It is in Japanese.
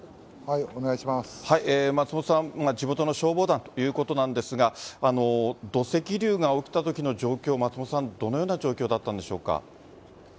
松本さんは地元の消防団ということなんですが、土石流が起きたときの状況、松本さん、どのような状況だったんでしょうか？